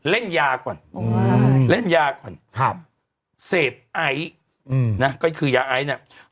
เล่นยาก่อนเล่นยาก่อนครับเสพไอซ์นะก็คือยาไอซ์เนี่ย